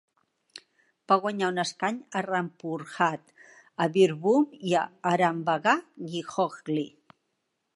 Va guanyar un escany a Rampurhat a Birbhum i Arambagh a Hooghly.